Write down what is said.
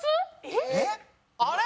えっ？あれ？